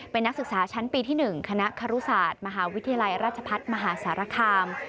เป็นนักศึกษาชั้นปีที่๑คณะครุศาสตร์มหาวิทยาลัยราชพัฒน์มหาสารคาม